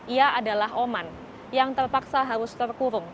ia adalah oman yang terpaksa harus terkurung